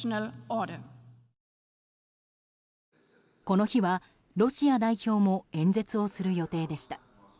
この日はロシア代表も演説をする予定でした。